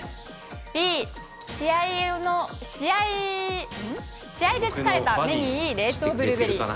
Ｂ、試合で疲れた目にいい冷凍ブルーベリー。